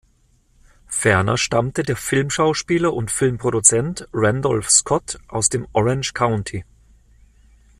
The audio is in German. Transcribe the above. Ferner stammte der Filmschauspieler und Filmproduzent Randolph Scott aus dem Orange County.